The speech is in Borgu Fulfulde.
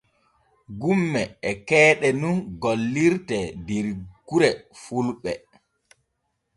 Gumme e keeɗe nun gollirte der gure fulɓe.